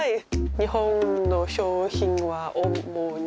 日本の商品は主に。